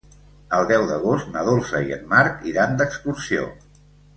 El deu d'agost na Dolça i en Marc iran d'excursió.